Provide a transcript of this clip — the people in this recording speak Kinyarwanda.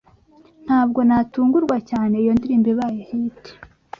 Ntabwo natungurwa cyane iyo ndirimbo ibaye hit.